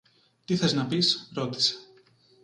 Τι θες να πεις; ρώτησε.